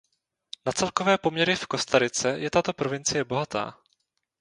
Na celkové poměry v Kostarice je tato provincie bohatá.